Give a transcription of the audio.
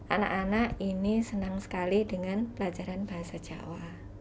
anak anak ini senang sekali dengan pelajaran bahasa jawa